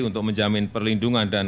untuk menjamin perlindungan dan